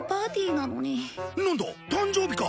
なんだ誕生日か！